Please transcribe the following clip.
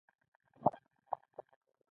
ډز شو موږ ټوپ کړ زه لیري لاړم.